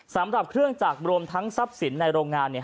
สำหรับเครื่องจักรรวมทั้งทรัพย์สินในโรงงานเนี่ย